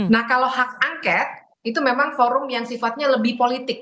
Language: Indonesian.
nah kalau hak angket itu memang forum yang sifatnya lebih politik